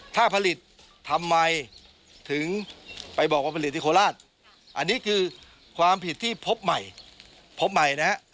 ถ้าผลิตทำไมถึงไปบอกว่าผลิตที่โคราชอันนี้คือความผิดที่พบใหม่พบใหม่นะฮะ